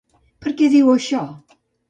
Per què diu això?